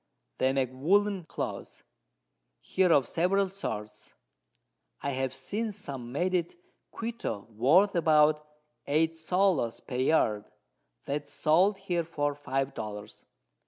They make Woollen Cloth here of several sorts; I have seen some made at Quito worth about 8_s._ per Yard, that is sold here for 5 Dollars.